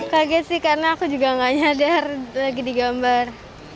kaget sih karena aku juga gak nyadar lagi digambar